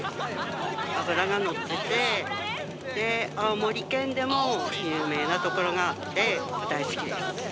脂が乗ってて、青森県でも有名な所があって大好きです。